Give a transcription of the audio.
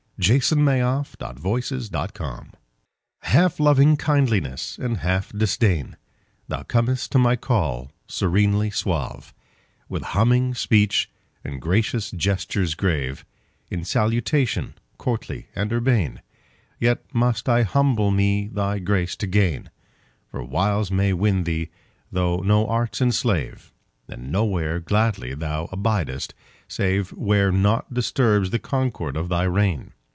Rosamund Marriott Watson b. 1860 To My Cat HALF loving kindliness and half disdain, Thou comest to my call serenely suave, With humming speech and gracious gestures grave, In salutation courtly and urbane; Yet must I humble me thy grace to gain, For wiles may win thee though no arts enslave, And nowhere gladly thou abidest saveWhere naught disturbs the concord of thy reign.